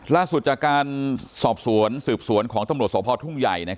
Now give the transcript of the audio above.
ล่าสุดจากการสอบสวนสืบสวนของตำรวจสพทุ่งใหญ่